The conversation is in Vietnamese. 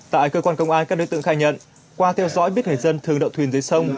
tại cơ quan công an các đối tượng khai nhận qua theo dõi biết người dân thường đậu thuyền dưới sông